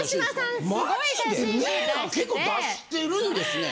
結構出してるんですね。